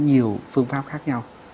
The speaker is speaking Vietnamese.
nhiều phương pháp khác nhau